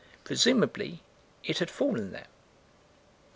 Presumably it had fallen there.